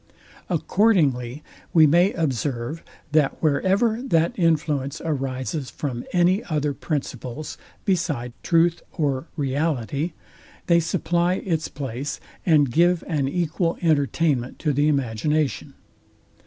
Accordingly we may observe, that wherever that influence arises from any other principles beside truth or reality, they supply its place, and give an equal entertainment to the imagination.